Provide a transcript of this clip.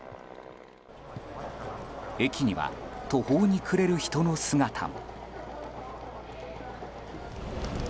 駅には途方に暮れる人の姿も。